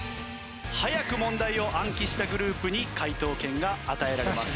早く問題を暗記したグループに解答権が与えられます。